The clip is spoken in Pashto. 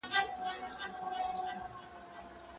پیوندول د درملنې مؤثره لاره ده.